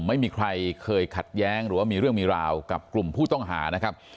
ไม่เคยขัดแย้งหรือว่ามีเรื่องมีราวกับกลุ่มผู้ต้องหานะครับ